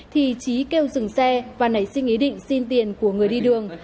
thì trí kêu dừng xe và nảy sinh ý định xin tiền của người đi đường